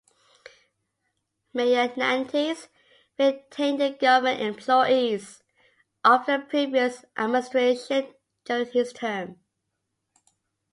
Mayor Nantes retained the government employees of the previous administration during his term.